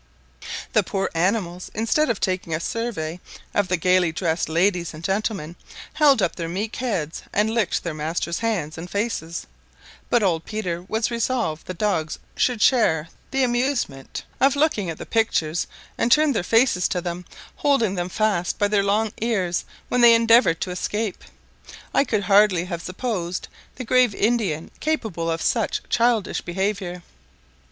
The poor animals, instead of taking a survey of the gaily dressed ladies and gentlemen, held up their meek heads and licked their masters' hands and faces; but old Peter was resolved the dogs should share the amusement of looking at the pictures and turned their faces to them, holding them fast by their long ears when they endeavoured to escape. I could hardly have supposed the grave Indian capable of such childish behaviour.